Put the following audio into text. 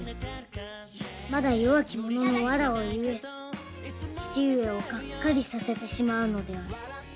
「まだよわきもののわらわゆえちちうえをがっかりさせてしまうのである」